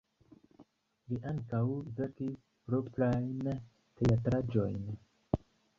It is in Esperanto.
Li ankaŭ verkis proprajn teatraĵojn.